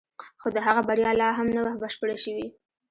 خو د هغه بریا لا هم نه وه بشپړه شوې